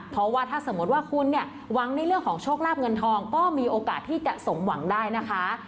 เพราะว่าถ้าสมมติว่าคุณเนี่ยหวังในเรื่องของโชคลาบเงินทองก็มีโอกาสที่จะสมหวังได้นะคะ